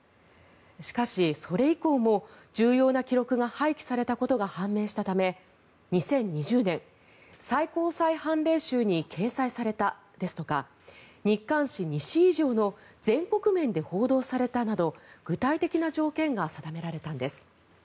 しかし、それ以降も重要な記録が廃棄されたことが判明したため２０２０年、最高裁判例集に掲載されたですとか日刊紙２紙以上の全国面で報道されたなど具体的な条件が定められたんです。